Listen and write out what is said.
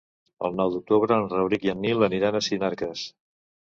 El nou d'octubre en Rauric i en Nil aniran a Sinarques.